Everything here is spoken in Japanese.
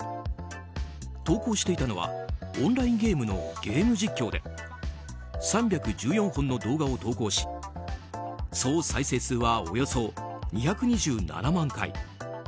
投稿していたのはオンラインゲームのゲーム実況で３１４本の動画を投稿し総再生数はおよそ２２７万回。